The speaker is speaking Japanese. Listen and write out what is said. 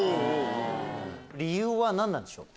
理由は何なんでしょうか？